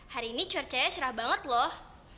hari ini cuaca ya serah banget loh